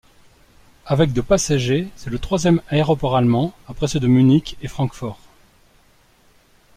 Avec de passagers, c'est le troisième aéroport allemand, après ceux de Munich et Francfort.